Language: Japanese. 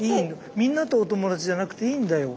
みんなとお友達じゃなくていいんだよ。